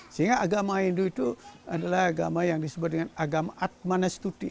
sehingga agama hindu itu adalah agama yang disebut dengan agama atmanastuti